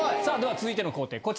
さぁでは続いての工程